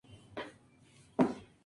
Morris J. MacGregor, Jr.